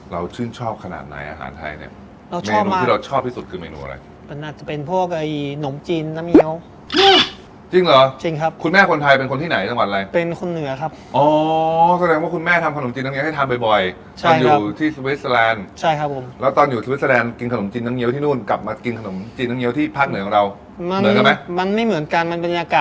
เราชื่นชอบขนาดไหนอาหารไทยเนี้ยเราชอบมามันอาจจะเป็นพวก